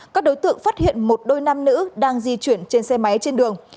các đối tượng phát hiện một đôi nam nữ đang di chuyển trên xe máy trên đường